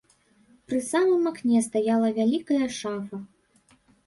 Пры самым акне стаяла вялікая шафа.